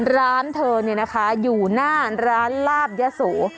ร้านเธอนี่นะคะอยู่หน้าร้านลาบยะสู